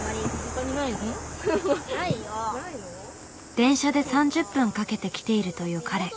電車で３０分かけて来ているという彼。